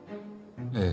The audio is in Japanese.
ええ。